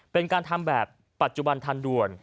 เป็นการทำแบบปัจจุบันทันด่วน